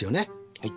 はい。